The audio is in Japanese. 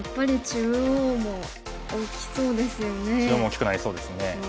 中央も大きくなりそうですね。